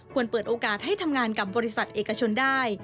เปิดโอกาสให้ทำงานกับบริษัทเอกชนได้